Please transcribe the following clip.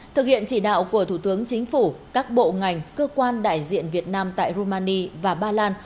thực hiện chỉ đạo của thủ tướng chính phủ các bộ ngành cơ quan đại diện việt nam tại rumani và ba lan